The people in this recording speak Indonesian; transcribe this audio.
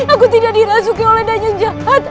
aku tidak dirasuki oleh dan yang jahat